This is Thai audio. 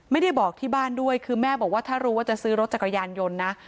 ไม่ได้บอกที่บ้านด้วยคือแม่บอกว่าถ้ารู้ว่าจะซื้อรถจักรยานยนต์นะ